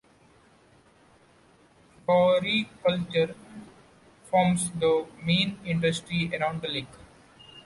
Floriculture forms the main industry around the lake.